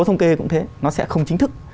thông kê cũng thế nó sẽ không chính thức